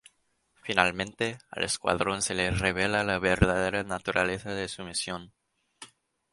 Finalmente, al escuadrón se le revela la verdadera naturaleza de su misión.